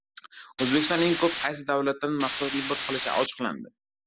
O‘zbekiston eng ko‘p qaysi davlatdan mahsulot import qilishi ochiqlandi